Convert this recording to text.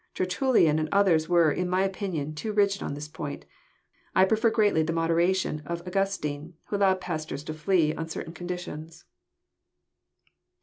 Tertullian and others were, in my opinion, too rigid on this point. I prefer greatly the moderation of Augustine, who allowed pastors to flee on certain conditions."